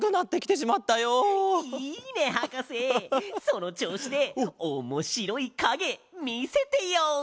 そのちょうしでおもしろいかげみせてよ！